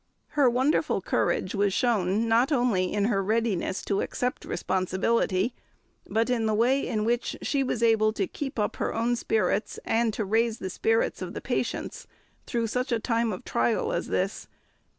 Her wonderful courage was shown not only in her readiness to accept responsibility, but in the way in which she was able to keep up her own spirits, and to raise the spirits of the patients through such a time of trial as this.